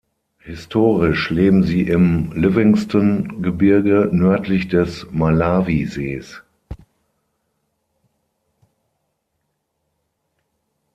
Historisch leben sie im Livingstone-Gebirge nördlich des Malawisees.